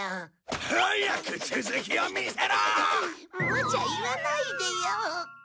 むちゃ言わないでよ。